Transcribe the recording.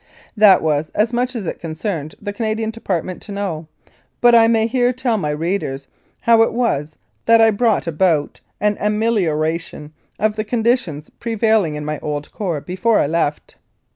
That was as much as it concerned the Canadian Department to know, but I may here tell my readers how it was that I brought about an amelioration of the conditions prevailing in my old corps before I left.